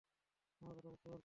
আমার কথা বুঝতে পারছো?